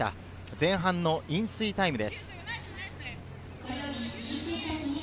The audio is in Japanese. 前半の飲水タイムです。